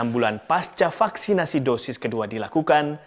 enam bulan pasca vaksinasi dosis kedua dilakukan